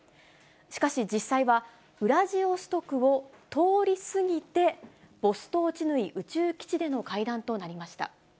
しかし、実際はウラジオストクを通り過ぎて、ボストーチヌイ宇宙基地での会談となりました。